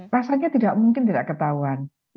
rasanya tidak mungkin tidak ketahuan